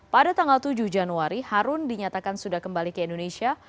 pada tanggal tujuh januari harun dinyatakan sudah kembali ke indonesia